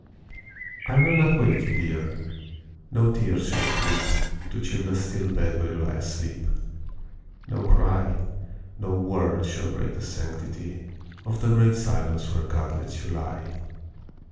I WILL not wake you, dear; no tears shall creep To chill the still bed where you lie asleep; No cry, no word, shall break the sanctity Of the great silence where God lets you lie.